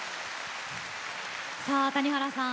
さあ、谷原さん